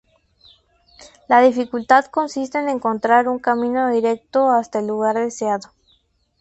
La dificultad consiste en encontrar un camino directo hasta el lugar deseado.